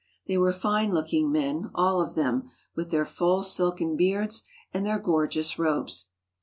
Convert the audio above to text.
They were fine looking men, all of them, with their full silken beards and their gorgeous robes.